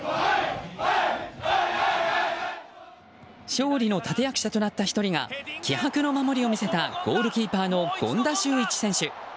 勝利の立役者となった１人が気迫の守りを見せたゴールキーパーの権田修一選手。